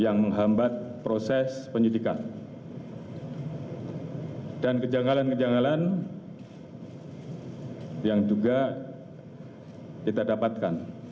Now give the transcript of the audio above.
yang menghambat proses penyidikan dan kejanggalan kejanggalan yang juga kita dapatkan